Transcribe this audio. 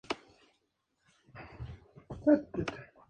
Fue reemplazado por el capitán de navío Galvarino Riveros Cárdenas.